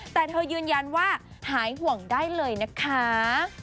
แต่เธอยืนยันว่าหายห่วงได้เลยนะคะ